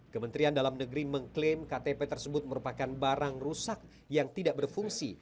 kementerian dalam negeri mengklaim ktp tersebut merupakan barang rusak yang tidak berfungsi